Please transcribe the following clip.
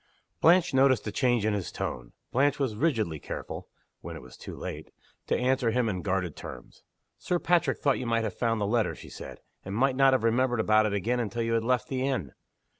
Blanche noticed a change in his tone. Blanche was rigidly careful (when it was too late) to answer him in guarded terms. "Sir Patrick thought you might have found the letter," she said, "and might not have remembered about it again until after you had left the inn."